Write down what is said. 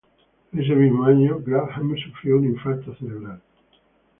Ese mismo año, Grantham sufrió un infarto cerebral.